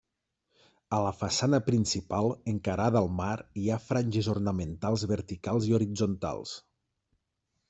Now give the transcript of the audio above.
A la façana principal, encarada al mar, hi ha franges ornamentals verticals i horitzontals.